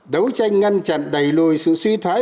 đấu tranh ngăn chặn đẩy lùi sự suy thoái